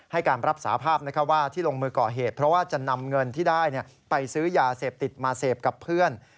การรับสาภาพว่าที่ลงมือก่อเหตุเพราะว่าจะนำเงินที่ได้ไปซื้อยาเสพติดมาเสพกับเพื่อน